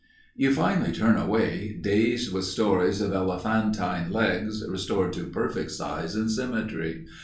You finally turn away, dazed with stories of elephantine legs, restored to perfect size and symmetry.